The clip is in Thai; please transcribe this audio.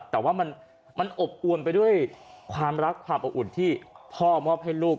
แต่ว่ามันอบอวนไปด้วยความรักความอบอุ่นที่พ่อมอบให้ลูก